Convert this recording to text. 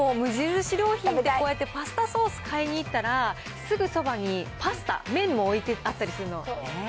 でも無印良品ってこうやってパスタソース買いに行ったらすぐそばにパスタ、麺も置いてあったりするの。